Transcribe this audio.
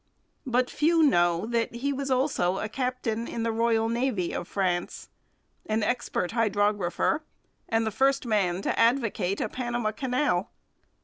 But few know that he was also a captain in the Royal Navy of France, an expert hydrographer, and the first man to advocate a Panama canal.